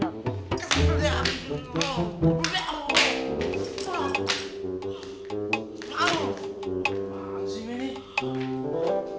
kesel deh abis ini lo